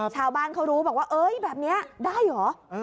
ชาวบ้านเขารู้บอกว่าเอ้ยแบบนี้ได้เหรอ